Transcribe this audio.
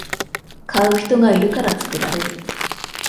買う人がいるから作られる